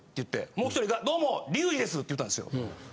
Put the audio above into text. もう１人が「どうもリュウジです」って言ったんですよ。